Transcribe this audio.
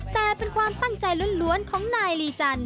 แต่เป็นความตั้งใจล้วนของนายลีจันท